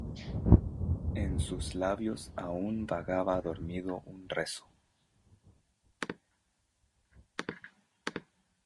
en sus labios aún vagaba dormido un rezo.